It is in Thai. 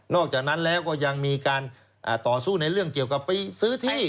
อกจากนั้นแล้วก็ยังมีการต่อสู้ในเรื่องเกี่ยวกับไปซื้อที่